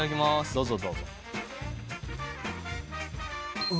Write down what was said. どうぞどうぞ。